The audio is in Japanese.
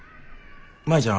舞ちゃん